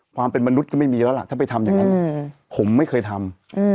ความเป็นมนุษย์ก็ไม่มีแล้วล่ะถ้าไปทำอย่างนั้นผมไม่เคยทำ